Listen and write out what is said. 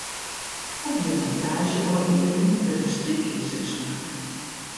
Op de montaazjeôfdieling wurde strykizers makke.